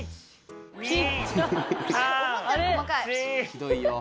ひどいよ。